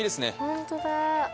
本当だ。